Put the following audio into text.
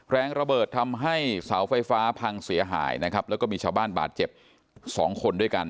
แรงระเบิดทำให้เสาไฟฟ้าพังเสียหายนะครับแล้วก็มีชาวบ้านบาดเจ็บสองคนด้วยกัน